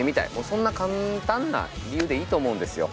そんな簡単な理由でいいと思うんですよ。